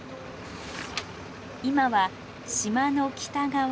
今は島の北側。